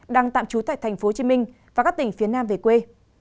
đang tạm trú tại tp hcm và các tỉnh phía nam về quê